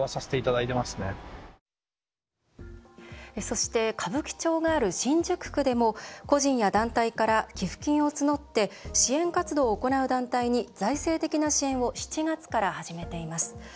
そして歌舞伎町がある新宿区でも個人や団体から寄付金を募って支援活動を行う団体に財政的な支援を７月から始めています。